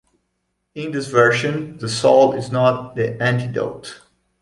In this version, the salt is not the antidote.